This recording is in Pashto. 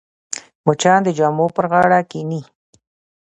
مچان د جامو پر غاړه کښېني